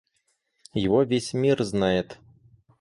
Его весь мир знает.